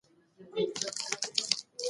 آیا پلار دې کله ښه خبره کړې ده؟